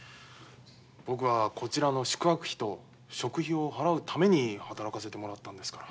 僕はこちらの宿泊費と食費を払うために働かせてもらったんですから。